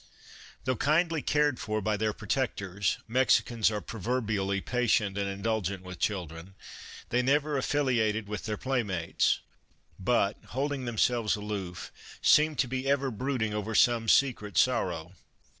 Though kindly cared for by their pro tectors — Mexicans are proverbially patient and in dulgent with children — they never affiliated with their playmates, but, holding themselves aloof, seemed to be ever brooding over some secret sorrow.